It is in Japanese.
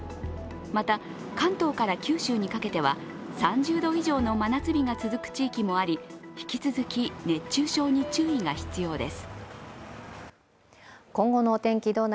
また関東から九州にかけては、３０度以上の真夏日が続く地域もあり引き続き熱中症に注意が必要です。